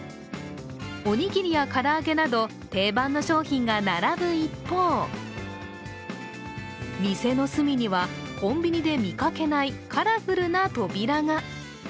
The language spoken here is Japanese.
おにぎりや唐揚げなど、定番の商品が並ぶ一方、店の隅にはコンビニで見かけないカラフルな扉が。